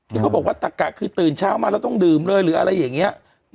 ที่เขาบอกว่าตะกะคือตื่นเช้ามาแล้วต้องดื่มเลยหรืออะไรอย่างนี้